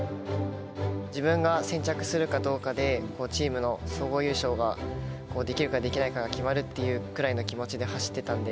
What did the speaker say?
自分が先着するかどうかで、チームの総合優勝が、できるかできないかが決まるっていうくらいの気持ちで走ってたんで。